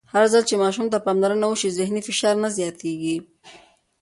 هرځل چې ماشوم ته پاملرنه وشي، ذهني فشار نه زیاتېږي.